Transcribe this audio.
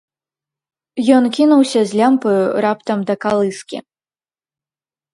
Ён кінуўся з лямпаю раптам да калыскі.